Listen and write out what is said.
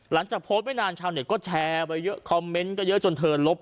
หลังจากโพสต์ไม่นานชาวเน็ตก็แชร์ไปเยอะคอมเมนต์ก็เยอะจนเธอลบ